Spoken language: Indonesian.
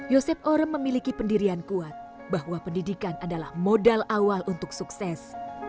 yosep orem memiliki pendirian kuat bahwa pendidikan adalah modal awal untuk sukses